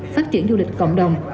phát triển du lịch cộng đồng